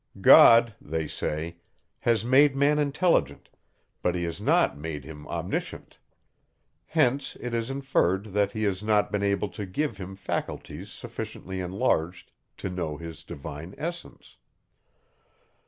"God," they say, "has made man intelligent, but he has not made him omniscient;" hence it is inferred, that he has not been able to give him faculties sufficiently enlarged to know his divine essence.